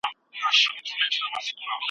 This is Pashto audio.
که ښوونکی پوه وي نو شاګرد نه بې سواده کیږي.